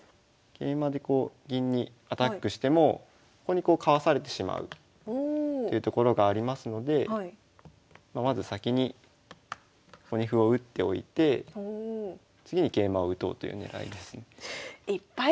桂馬でこう銀にアタックしてもここにこうかわされてしまうというところがありますのでまず先にここに歩を打っておいて次に桂馬を打とうという狙いですね。